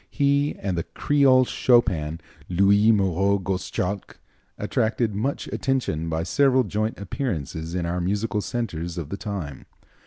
He and the "Creole Chopin," Louis Moreau Gottschalk, attracted much attention by several joint appearances in our musical centres of the time.